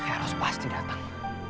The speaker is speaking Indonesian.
heros pasti datang